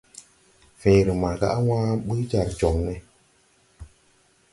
Fẽẽre maaga á wãã ɓuy jar jɔŋ ne.